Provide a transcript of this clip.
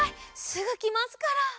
すぐきますから。